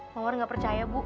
mawar gak percaya bu